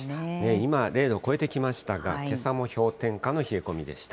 今、０度を超えてきましたが、けさも氷点下の冷え込みでした。